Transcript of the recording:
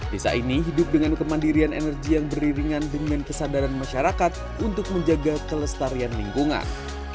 desa ini hidup dengan kemandirian energi yang beriringan dengan kesadaran masyarakat untuk menjaga kelestarian lingkungan